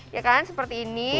ya kan seperti ini